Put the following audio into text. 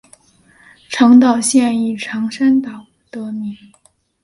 长岛县以长山岛得名。